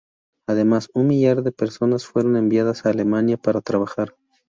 Además, un millar de personas fueron enviadas a Alemania para trabajar.